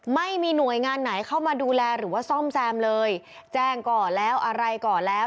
ไม่มีหน่วยงานไหนเข้ามาดูแลหรือว่าซ่อมแซมเลยแจ้งก่อนแล้วอะไรก่อแล้ว